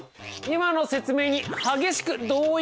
今の説明に激しく同意角。